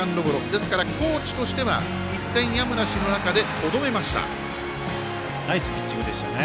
ですから、高知としては１点やむなしの中でナイスピッチングでしたね。